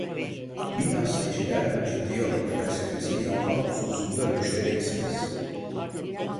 Bilhassa işi derhal ciddiye alıp felsefesini yapmak hususunda müştereksiniz…